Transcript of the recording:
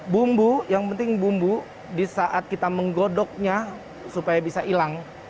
bumbu yang penting bumbu di saat kita menggodoknya supaya bisa hilang